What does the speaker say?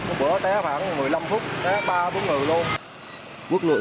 một bữa té khoảng một mươi năm phút té ba bốn người luôn